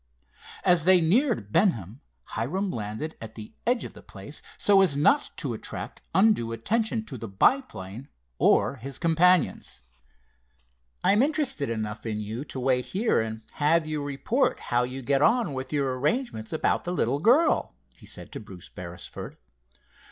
As they neared Benham Hiram landed at the edge of the place, so as not to attract undue attention to the biplane or his companions. "I'm interested enough in you to wait here, and have you report how you get on with your arrangements about the little girl," he said to Bruce Beresford.